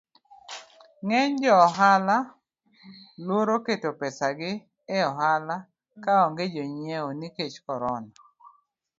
Ng'eny jo ohala luoro keto pesagi eohala ka onge jonyiewo nikech corona.